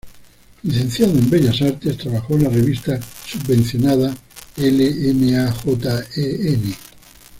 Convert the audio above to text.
Licenciado en Bellas Artes, trabajó en la revista subvencionada "I.m.a.j.e.n.